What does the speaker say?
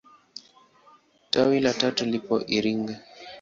Tawi la tatu lipo Iringa.